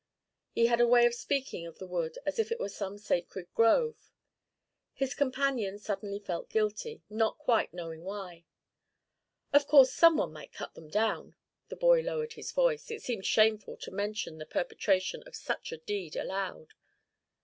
He had a way of speaking of the wood as if it were some sacred grove. His companion suddenly felt guilty, not quite knowing why. 'Of course some one might cut them down.' The boy lowered his voice; it seemed shameful to mention the perpetration of such a deed aloud.